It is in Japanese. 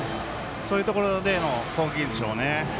そういうところでの攻撃でしょうね。